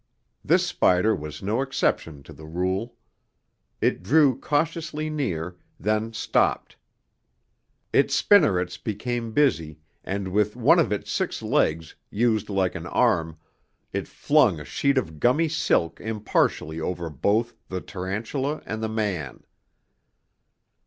This spider was no exception to the rule. It drew cautiously near, then stopped. Its spinnerets became busy, and with one of its six legs, used like an arm, it flung a sheet of gummy silk impartially over both the tarantula and the man.